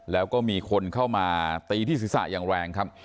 แล้วก็มีคนเข้ามาตีที่ศีรษะอย่างแรงครับ